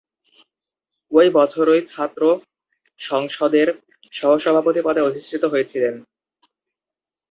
ঐ বছরই ছাত্র সংসদের সহ-সভাপতি পদে অধিষ্ঠিত ছিলেন।